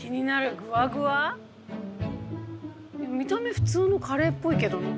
見た目普通のカレーっぽいけどな。